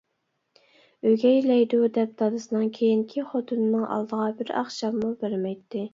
» ئۆگەيلەيدۇ «دەپ دادىسىنىڭ كېيىنكى خوتۇنىنىڭ ئالدىغا بىر ئاخشاممۇ بەرمەيتتى.